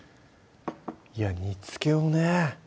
いや煮つけをね